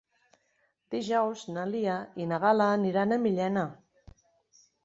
Dijous na Lia i na Gal·la aniran a Millena.